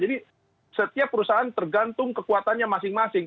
jadi setiap perusahaan tergantung kekuatannya masing masing